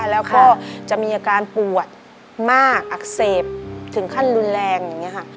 แล้วก็จะมีอาการปวดมากอักเสบถึงขั้นรุนแรงอย่างนี้ค่ะ